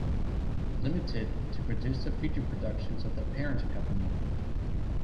Limited, to produce the feature productions of the parent company.